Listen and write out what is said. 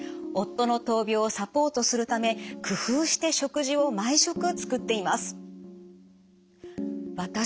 夫の闘病をサポートするため工夫して食事を毎食作っています。